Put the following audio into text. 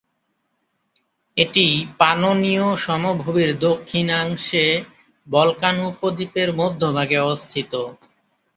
এটি পানোনীয় সমভূমির দক্ষিণাংশে, বলকান উপদ্বীপের মধ্যভাগে অবস্থিত।